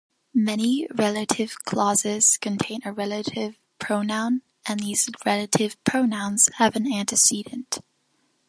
Many relative clauses contain a relative pronoun, and these relative pronouns have an antecedent.